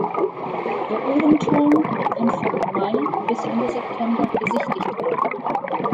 Der Uhrenturm kann von Mai bis Ende September besichtigt werden.